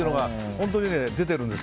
本当に出てるんですよ。